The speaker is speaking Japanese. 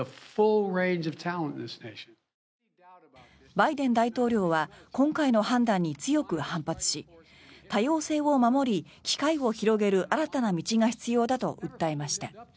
バイデン大統領は今回の判断に強く反発し多様性を守り機会を広げる新たな道が必要だと訴えました。